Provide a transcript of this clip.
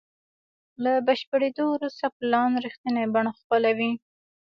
له بشپړېدو وروسته پلان رښتینې بڼه خپلوي.